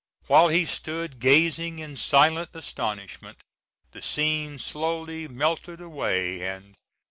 While he stood gazing in silent astonishment the scene slowly melted away and disappeared.